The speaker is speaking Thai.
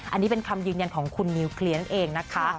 อันนี้เป็นคำยืนยันของคุณนิวเคลียร์นั่นเองนะคะ